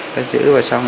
cắt giữ và xong